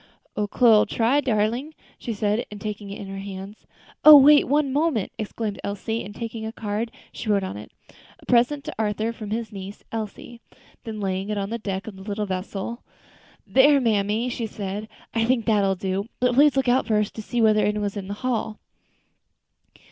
"Ole Chloe'll try, darlin," she said, taking it in her hands. "Oh! wait one moment," exclaimed Elsie, and taking a card, she wrote on it, "A present to Arthur, from his niece Elsie." Then laying it on the deck of the little vessel. "There, mammy," she said, "I think that will do; but please look out first to see whether any one is in the hall."